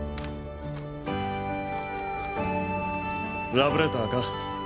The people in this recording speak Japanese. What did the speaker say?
ラブレターか？